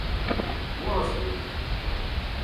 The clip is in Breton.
Boazet eo.